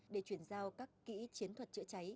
để truyền giao các kỹ chiến thuật chữa cháy